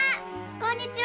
こんにちは。